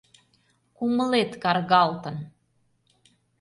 Кумылет каргалтын...